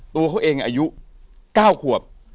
ตัวเขาเองอายุ๙ขวบ